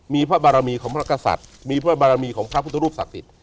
มีพระบารมีของพระกษัตริย์มีพระบารมีของพระพุทธรูปศักดิ์สิทธิ